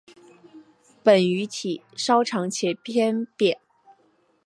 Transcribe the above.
本鱼体稍长且侧扁。